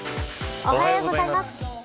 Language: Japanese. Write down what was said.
おはようございます。